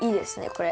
これ。